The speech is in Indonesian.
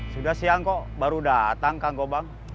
sudah siang kok baru datang kangkobang